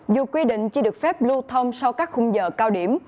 dù quy định chỉ được phép lưu thông sau các khung giờ cao điểm